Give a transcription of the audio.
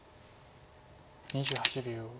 ２８秒。